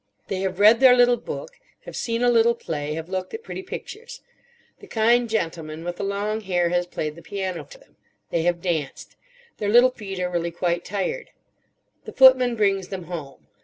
They have read their little book? have seen a little play, have looked at pretty pictures. The kind gentleman with the long hair has played the piano to them. They have danced. Their little feet are really quite tired. The footman brings them home.